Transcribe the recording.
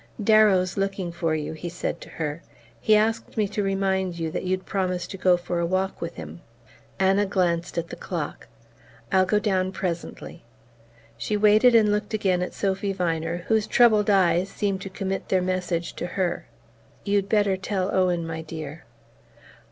"Darrow's looking for you," he said to her. "He asked me to remind you that you'd promised to go for a walk with him." Anna glanced at the clock. "I'll go down presently." She waited and looked again at Sophy Viner, whose troubled eyes seemed to commit their message to her. "You'd better tell Owen, my dear."